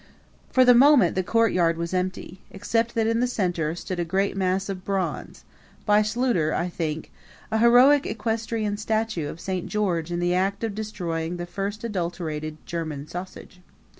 For the moment the courtyard was empty, except that in the center stood a great mass of bronze by Schluter, I think a heroic equestrian statue of Saint George in the act of destroying the first adulterated German sausage.